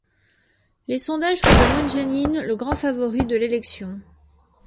Les sondages font de Moon Jae-in le grand favori de l’élection.